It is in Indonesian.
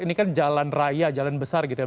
ini kan jalan raya jalan besar gitu ya